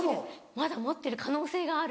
まだ持ってる可能性がある。